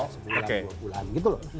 sebulan dua bulan gitu loh